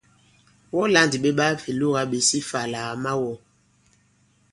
Wɔ lā ndì ɓe ɓaà fe lōgā ɓěs ifà àlà à ma-wɔ̃!